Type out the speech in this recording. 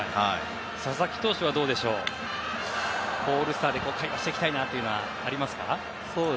佐々木投手はどうでしょうオールスターで会話していきたいなというのはありますか？